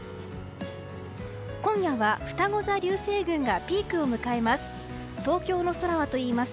今夜は、ふたご座流星群がピークを迎えます。